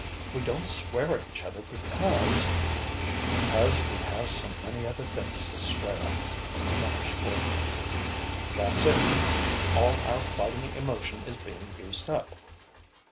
We don't swear at each other, because " "Because we have so many other things to swear at," he finished for her. "That's it. All our fighting emotion is being used up."